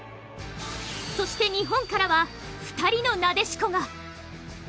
そして日本からは２人のなでしこが。